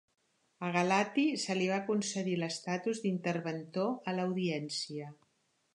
A Galati se li va concedir l'estatus d'interventor a l'audiència.